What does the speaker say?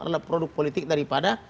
adalah produk politik daripada